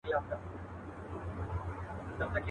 خداى له هري بي بي وركړل اولادونه.